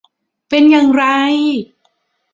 เป็นอย่างไร